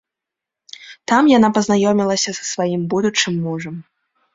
Там яна пазнаёмілася са сваім будучым мужам.